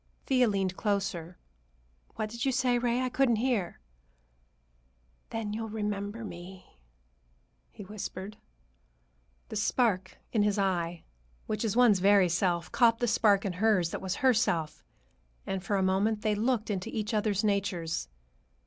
Thea leaned closer. "What did you say, Ray? I couldn't hear." "Then you'll remember me," he whispered. The spark in his eye, which is one's very self, caught the spark in hers that was herself, and for a moment they looked into each other's natures.